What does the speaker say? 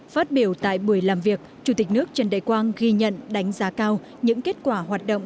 phát biểu tại buổi làm việc chủ tịch nước trần đại quang ghi nhận đánh giá cao những kết quả hoạt động